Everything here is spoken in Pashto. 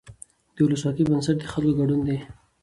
د ولسواکۍ بنسټ د خلکو ګډون دی